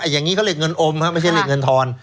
อย่างนี้เขาเรียกเงินอมไม่ใช่เรียกเงินทอน